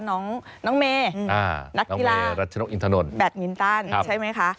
น้องเมนักกีฬาแบทมิ้นต้านใช่ไหมคะ